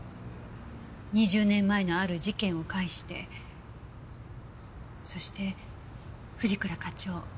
２０年前のある事件を介してそして藤倉課長